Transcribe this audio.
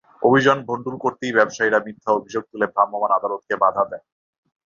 অভিযান ভন্ডুল করতেই ব্যবসায়ীরা মিথ্যা অভিযোগ তুলে ভ্রাম্যমাণ আদালতকে বাধা দেন।